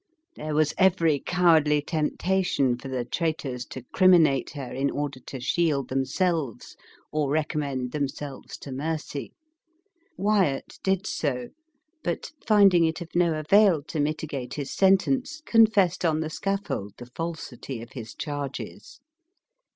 There was every cowardly temptation for the traitors to criminate her in order to shield themselves, or rec ommend themselves to mercy. Wyatt did so, but, finding it of no avail to mitigate his sentence, confessed on the scaffold the falsity of his charges.